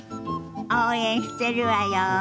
応援してるわよ。